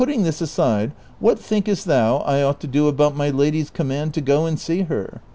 261 ting this aside, what thinkest thou I ought to do about uiy lady's command to go and see her ?